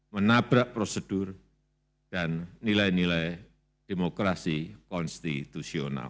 menabrak prosedur dan nilai nilai demokrasi konstitusional